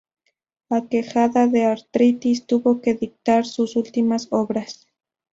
Aquejada de artritis, tuvo que dictar sus últimas obras.